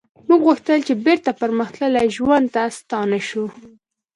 موږ غوښتل چې بیرته پرمختللي ژوند ته ستانه شو